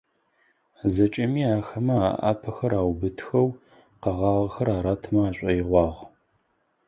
ЗэкӀэми ахэмэ аӏапэхэр аубытыхэу, къэгъагъэхэр аратымэ ашӀоигъуагъ.